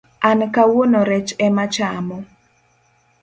An kawuono rech emechamo